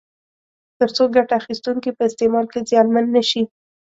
تر څو ګټه اخیستونکي په استعمال کې زیانمن نه شي.